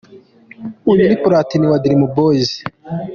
uyu ni Platini wa dream Boys.